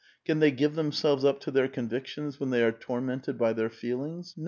Can they give themselves up to their convictions when they are tormented by their feelings